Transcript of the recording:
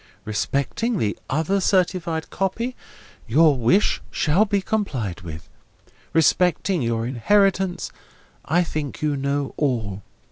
Respecting the other certified copy, your wish shall be complied with. Respecting your inheritance, I think you know all.